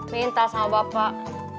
minta sama bapak